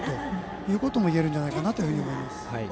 そう言えるんじゃないかと思います。